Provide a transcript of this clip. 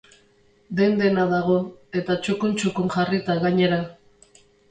Den-dena dago, eta txukuntxukun jarrita gainera.